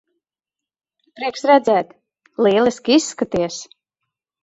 Prieks redzēt. Lieliski izskaties.